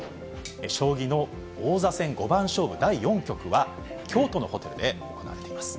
将棋の王座戦五番勝負第４局は京都のホテルで行われています。